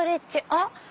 あっ！